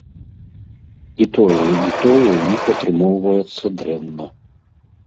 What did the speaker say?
І тое, і тое ў іх атрымоўваецца дрэнна.